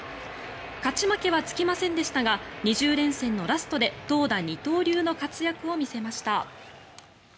勝ち負けはつきませんでしたが２０連戦のラストで投打二刀流の活躍を見せました。